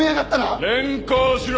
連行しろ！